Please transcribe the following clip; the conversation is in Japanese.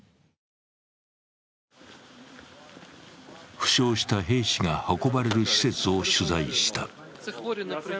負傷した兵士が運ばれる施設を取材した。